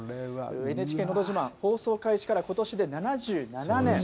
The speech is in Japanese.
ＮＨＫのど自慢、放送開始からことしで７７年。